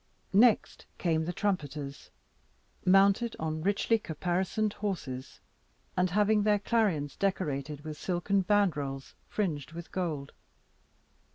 Next came the trumpeters, mounted on richly caparisoned horses, and having their clarions decorated with silken bandrols, fringed with gold.